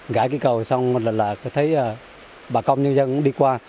ngã cái cầu xong là thấy bà công nhân dân đi qua